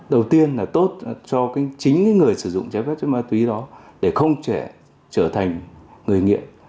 đầu tiên là tốt cho chính người sử dụng trái phép chất ma túy đó để không trở thành người nghiện